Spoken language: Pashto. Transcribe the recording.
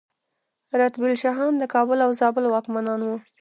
رتبیل شاهان د کابل او زابل واکمنان وو